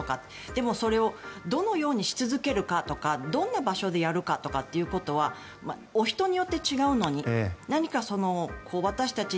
でもそれをどのようにし続けるかとかどんな場所でやるかということはお人によって違うのに何か私たち